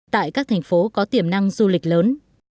tại các thành phố có tiềm năng du lịch lớn